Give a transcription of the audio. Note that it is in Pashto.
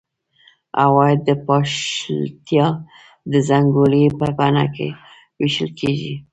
عواید د پاشلتیا د زنګولې په بڼه وېشل کېږي.